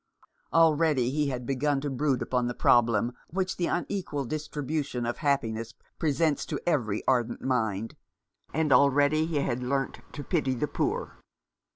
Already he had begun to brood upon the problem which the un equal distribution of happiness presents to every ardent mind ; and already he had learnt to pity the poor.